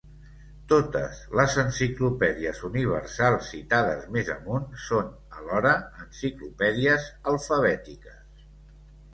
Totes les enciclopèdies universals citades més amunt són, alhora, enciclopèdies alfabètiques.